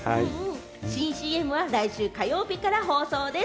新ＣＭは来週火曜日から放送です。